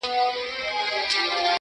دا چي تللي زموږ له ښاره تر اسمانه,